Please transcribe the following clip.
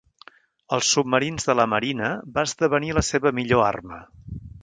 Els submarins de la marina va esdevenir la seva millor arma.